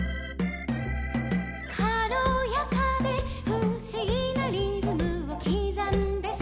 「かろやかでふしぎなリズムをきざんでさ」